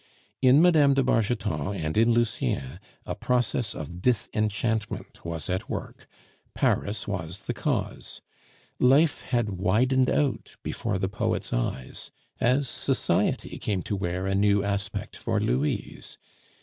In Mme. de Bargeton and in Lucien a process of disenchantment was at work; Paris was the cause. Life had widened out before the poet's eyes, as society came to wear a new aspect for Louise.